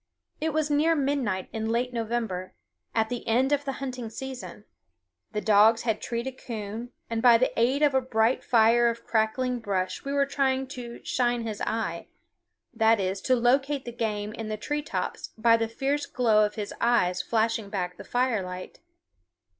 It was near midnight in late November, at the end of the hunting season. The dogs had treed a coon, and by the aid of a bright fire of crackling brush we were trying to "shine his eye," that is, to locate the game in the tree tops by the fierce glow of his eyes flashing back the firelight.